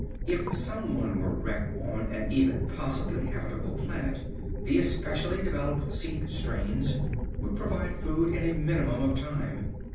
If somebody were wrecked on an even possibly habitable planet, the especially developed seed strains would provide food in a minimum of time.